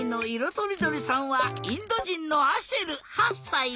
とりどりさんはインドじんのアシェル８さい。